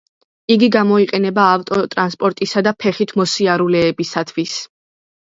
იგი გამოიყენება ავტოტრანსპორტისა და ფეხით მოსიარულეებისათვის.